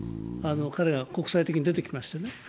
彼は国際的に出てきましたね。